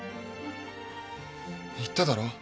言っただろ